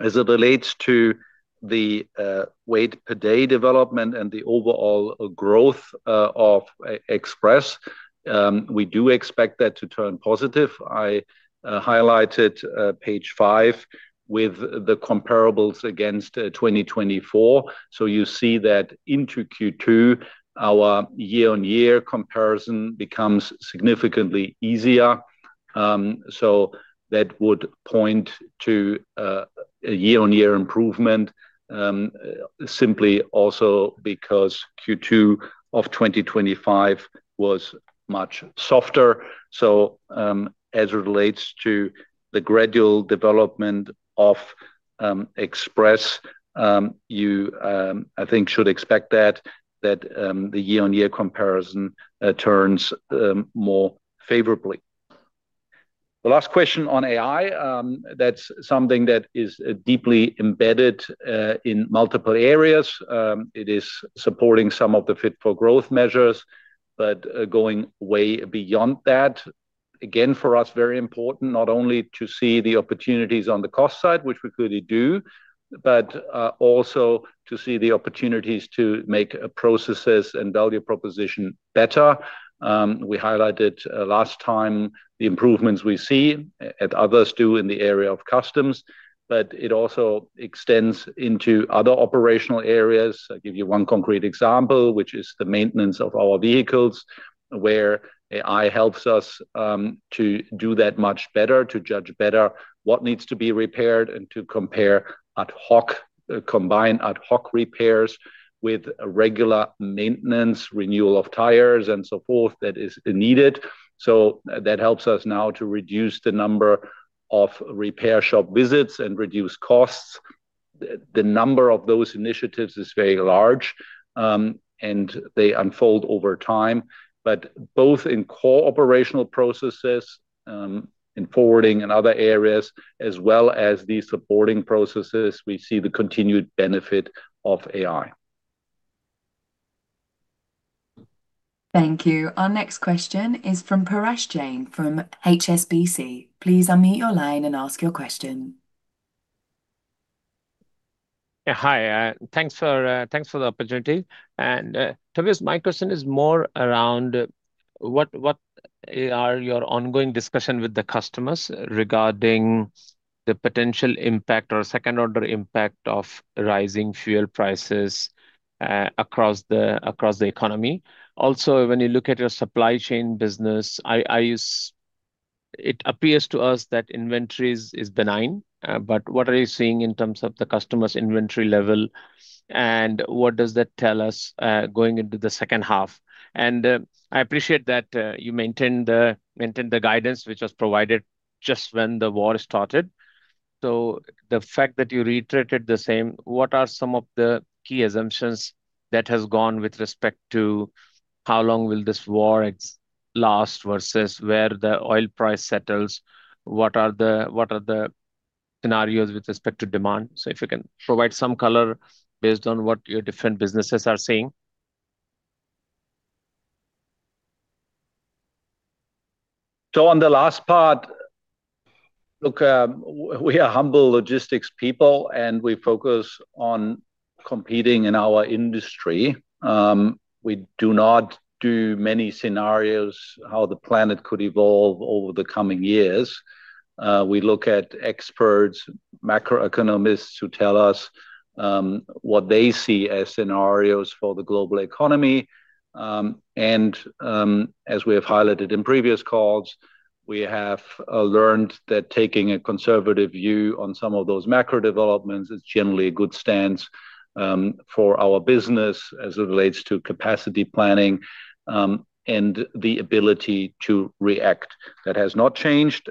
As it relates to the weight per day development and the overall growth of Express, we do expect that to turn positive. I highlighted page five with the comparables against 2024. You see that into Q2, our year-on-year comparison becomes significantly easier. That would point to a year-on-year improvement simply also because Q2 of 2025 was much softer. As it relates to the gradual development of Express, you I think should expect that the year-on-year comparison turns more favorably. The last question on AI, that's something that is deeply embedded in multiple areas. It is supporting some of the Fit for Growth measures, but going way beyond that. For us, very important not only to see the opportunities on the cost side, which we clearly do, but also to see the opportunities to make processes and value proposition better. We highlighted last time the improvements we see and others do in the area of customs, but it also extends into other operational areas. I'll give you one concrete example, which is the maintenance of our vehicles, where AI helps us to do that much better, to judge better what needs to be repaired and to combine ad hoc repairs with regular maintenance, renewal of tires, and so forth that is needed. That helps us now to reduce the number of repair shop visits and reduce costs. The number of those initiatives is very large, and they unfold over time. Both in core operational processes, in Forwarding and other areas, as well as the supporting processes, we see the continued benefit of AI. Thank you. Our next question is from Paresh Jain from HSBC. Please unmute your line and ask your question. Yeah, hi. Thanks for the opportunity. Tobias, my question is more around what are your ongoing discussion with the customers regarding the potential impact or second-order impact of rising fuel prices across the economy? Also, when you look at your supply chain business, it appears to us that inventories is benign. What are you seeing in terms of the customers' inventory level, and what does that tell us going into the second half? I appreciate that you maintained the guidance which was provided just when the war started. The fact that you reiterated the same, what are some of the key assumptions that has gone with respect to how long will this war last versus where the oil price settles? What are the scenarios with respect to demand? If you can provide some color based on what your different businesses are seeing. On the last part, look, we are humble logistics people, and we focus on competing in our industry. We do not do many scenarios how the planet could evolve over the coming years. We look at experts, macroeconomists who tell us what they see as scenarios for the global economy. As we have highlighted in previous calls, we have learned that taking a conservative view on some of those macro developments is generally a good stance for our business as it relates to capacity planning and the ability to react. That has not changed.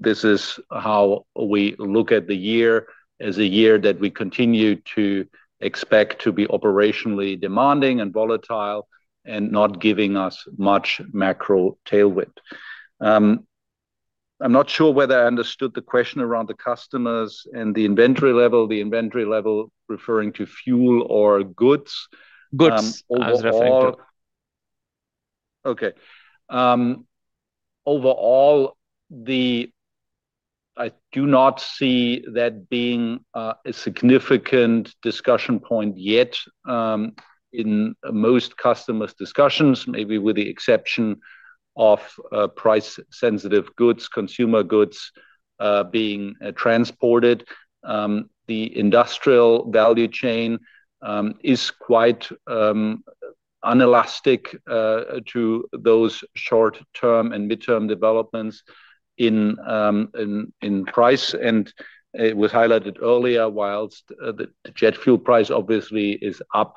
This is how we look at the year as a year that we continue to expect to be operationally demanding and volatile and not giving us much macro tailwind. I'm not sure whether I understood the question around the customers and the inventory level. The inventory level referring to fuel or goods? Goods as reflected. Okay. Overall, I do not see that being a significant discussion point yet, in most customers' discussions, maybe with the exception of price-sensitive goods, consumer goods, being transported. The industrial value chain is quite inelastic to those short-term and midterm developments in price. It was highlighted earlier, whilst the jet fuel price obviously is up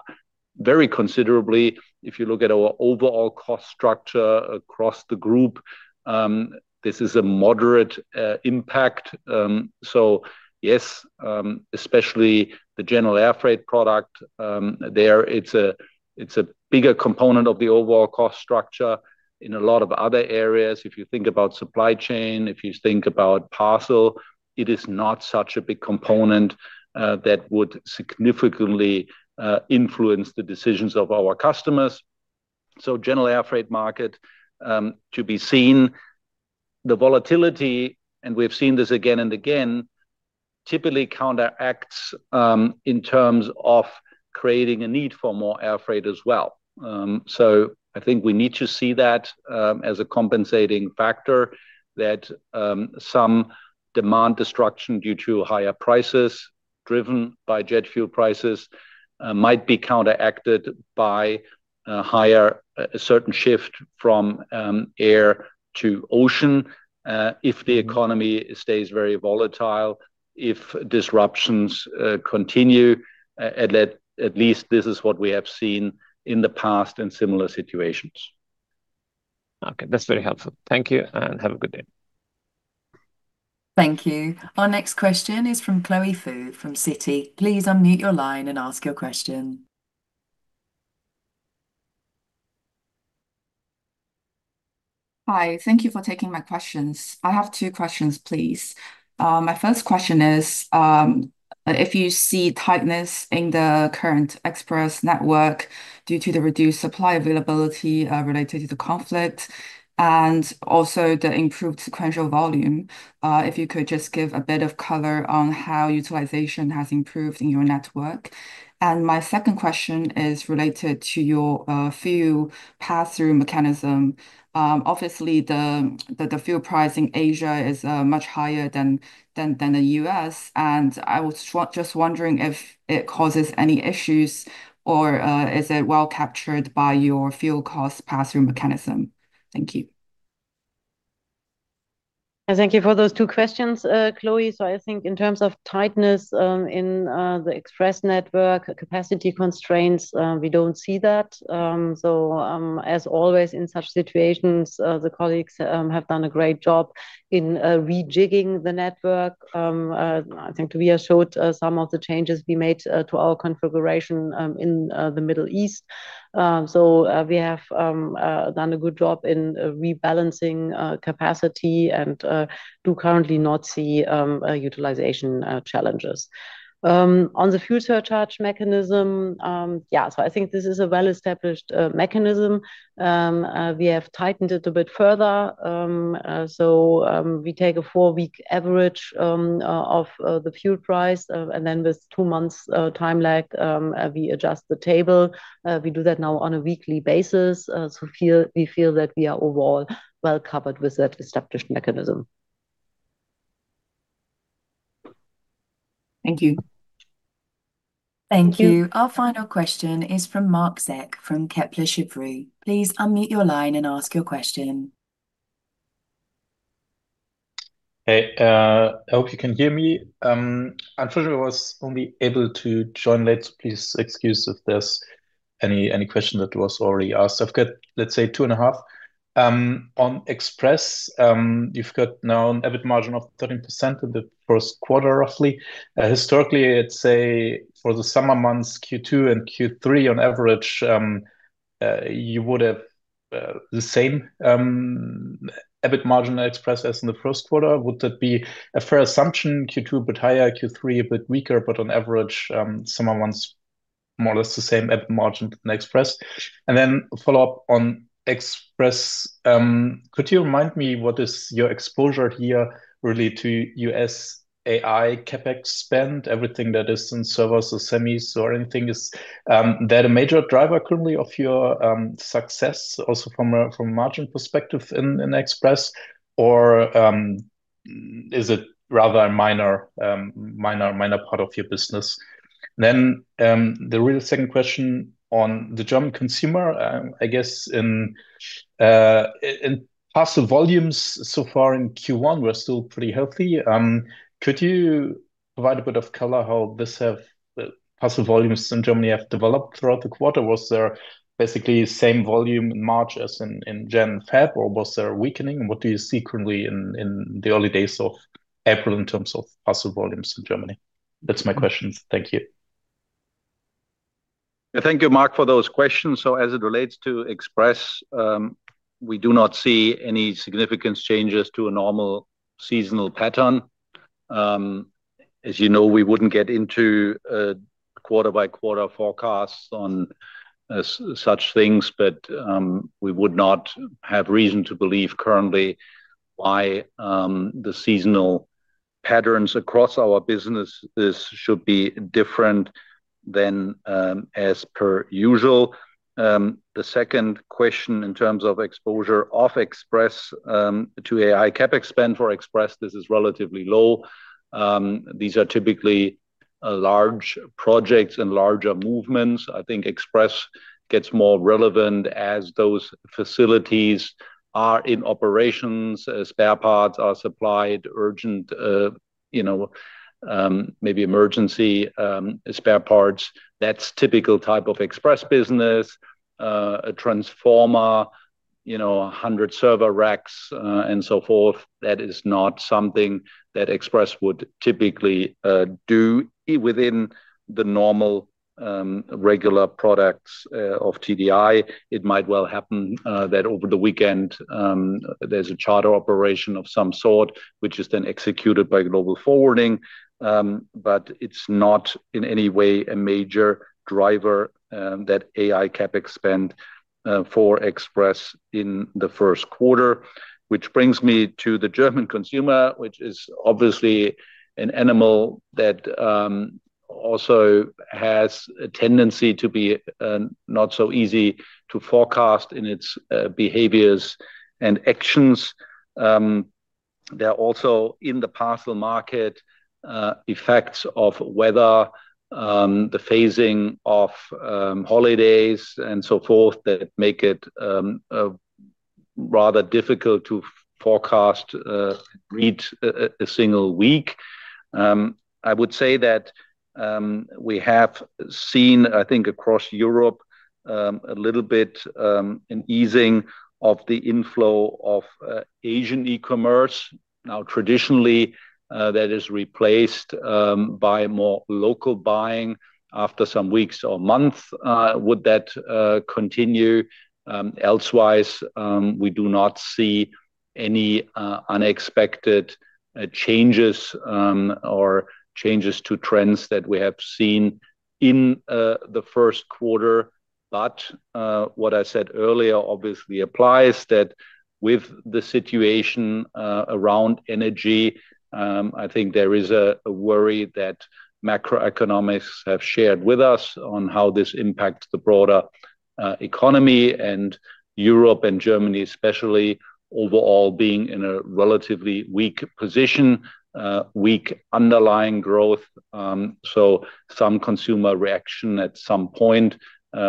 very considerably, if you look at our overall cost structure across the Group, this is a moderate impact. Yes, especially the general airfreight product, there it is a bigger component of the overall cost structure. In a lot of other areas, if you think about supply chain, if you think about parcel, it is not such a big component that would significantly influence the decisions of our customers. General airfreight market to be seen. The volatility, and we have seen this again and again, typically counteracts in terms of creating a need for more airfreight as well. I think we need to see that as a compensating factor that some demand destruction due to higher prices driven by jet fuel prices might be counteracted by higher, a certain shift from air to ocean, if the economy stays very volatile, if disruptions continue. At least this is what we have seen in the past in similar situations. Okay, that's very helpful. Thank you, and have a good day. Thank you. Our next question is from Chloe Fu from Citi. Please unmute your line and ask your question. Hi. Thank you for taking my questions. I have two questions, please. My first question is, if you see tightness in the current Express network due to the reduced supply availability, related to the conflict and also the improved sequential volume. If you could just give a bit of color on how utilization has improved in your network. My second question is related to your fuel pass-through mechanism. Obviously the fuel price in Asia is much higher than the U.S. and I was just wondering if it causes any issues or is it well captured by your fuel cost pass-through mechanism? Thank you. Thank you for those two questions, Chloe. I think in terms of tightness, in the Express network capacity constraints, we don't see that. As always in such situations, the colleagues have done a great job in rejigging the network. I think we have showed some of the changes we made to our configuration in the Middle East. We have done a good job in rebalancing capacity and do currently not see utilization challenges. On the fuel surcharge mechanism, I think this is a well-established mechanism. We have tightened it a bit further. We take a four-week average of the fuel price, and then with two months' time lag, we adjust the table. We do that now on a weekly basis. We feel that we are overall well covered with that established mechanism. Thank you. Thank you. Our final question is from Marc Zeck from Kepler Cheuvreux. Please unmute your line and ask your question. Hey, hope you can hear me. Unfortunately I was only able to join late, so please excuse if there's any question that was already asked. I've got, let's say, two and a half. On Express, you've got now an EBIT margin of 13% in the first quarter roughly. Historically, I'd say for the summer months, Q2 and Q3 on average, you would have the same EBIT margin at Express as in the first quarter. Would that be a fair assumption? Q2 a bit higher, Q3 a bit weaker, but on average, summer months more or less the same EBIT margin in Express? Then a follow-up on Express. Could you remind me what is your exposure here really to U.S. AI CapEx spend, everything that is in servers or semis or anything? Is that a major driver currently of your success also from a margin perspective in Express, or is it rather a minor part of your business? The real second question on the German consumer. I guess in parcel volumes so far in Q1 we're still pretty healthy. Could you provide a bit of color how parcel volumes in Germany have developed throughout the quarter? Was there basically the same volume in March as in January/February, or was there a weakening? What do you see currently in the early days of April in terms of parcel volumes in Germany? That's my questions. Thank you. Thank you, Marc, for those questions. As it relates to Express, we do not see any significant changes to a normal seasonal pattern. As you know, we wouldn't get into quarter-by-quarter forecasts on such things, but we would not have reason to believe currently why the seasonal patterns across our business should be different than as per usual. The second question in terms of exposure of Express to AI CapEx spend for Express, this is relatively low. These are typically large projects and larger movements. I think Express gets more relevant as those facilities are in operations, spare parts are supplied, urgent, you know, maybe emergency spare parts. That's typical type of Express business. A transformer, you know, 100 server racks, and so forth, that is not something that Express would typically do within the normal, regular products, of TDI. It might well happen that over the weekend, there's a charter operation of some sort, which is then executed by Global Forwarding. It's not in any way a major driver, that AI CapEx spend, for Express in the first quarter. Which brings me to the German consumer, which is obviously an animal that also has a tendency to be not so easy to forecast in its behaviors and actions. There are also in the parcel market, effects of weather, the phasing of holidays and so forth that make it rather difficult to forecast, read a single week. I would say that we have seen, I think across Europe, a little bit an easing of the inflow of Asian e-commerce. Traditionally, that is replaced by more local buying after some weeks or month. Would that continue? Elsewise, we do not see any unexpected changes or changes to trends that we have seen in the first quarter. What I said earlier obviously applies that with the situation around energy, I think there is a worry that macroeconomics have shared with us on how this impacts the broader economy and Europe and Germany especially overall being in a relatively weak position, weak underlying growth. Some consumer reaction at some point,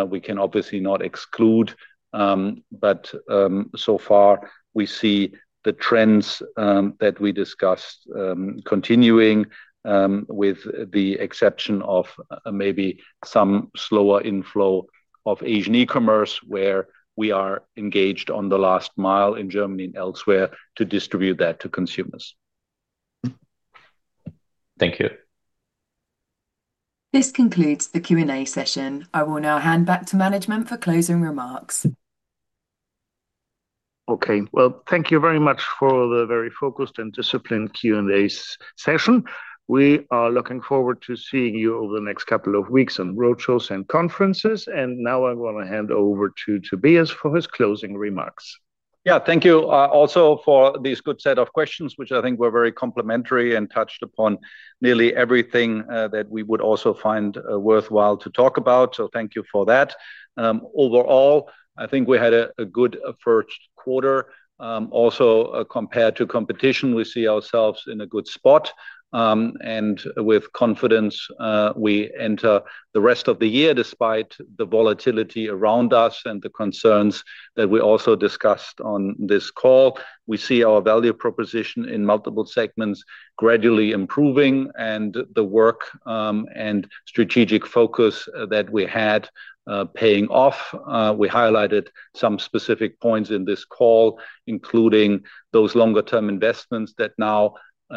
we can obviously not exclude. So far we see the trends that we discussed continuing with the exception of maybe some slower inflow of Asian e-commerce, where we are engaged on the last mile in Germany and elsewhere to distribute that to consumers. Thank you. This concludes the Q&A session. I will now hand back to management for closing remarks. Okay. Well, thank you very much for the very focused and disciplined Q&A session. We are looking forward to seeing you over the next couple of weeks on road shows and conferences. Now I want to hand over to Tobias for his closing remarks. Yeah. Thank you, also for these good set of questions, which I think were very complimentary and touched upon nearly everything that we would also find worthwhile to talk about. Thank you for that. Overall, I think we had a good first quarter. Also, compared to competition, we see ourselves in a good spot. With confidence, we enter the rest of the year despite the volatility around us and the concerns that we also discussed on this call. We see our value proposition in multiple segments gradually improving, and the work, and strategic focus, that we had, paying off. We highlighted some specific points in this call, including those longer term investments that now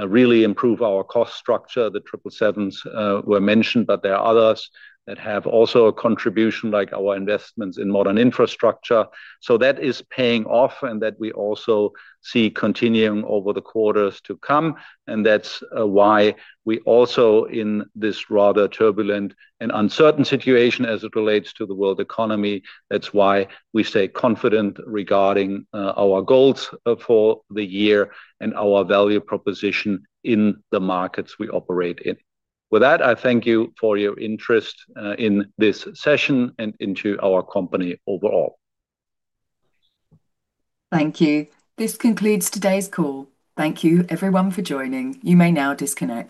really improve our cost structure. The 777 were mentioned, but there are others that have also a contribution, like our investments in modern infrastructure. That is paying off and that we also see continuing over the quarters to come. That's why we also in this rather turbulent and uncertain situation as it relates to the world economy, that's why we stay confident regarding our goals for the year and our value proposition in the markets we operate in. With that, I thank you for your interest in this session and into our company overall. Thank you. This concludes today's call. Thank you everyone for joining. You may now disconnect.